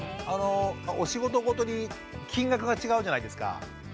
お仕事ごとに金額が違うじゃないですか。